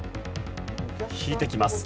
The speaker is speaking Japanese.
引いていきます。